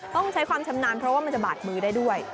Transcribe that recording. ต้องใช้ความชำนาญเพราะว่ามันจะบาดมือได้ด้วย